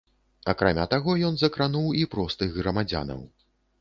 Акрамя таго, ён закрануў і простых грамадзянаў.